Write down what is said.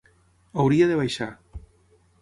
Hauria de baixar.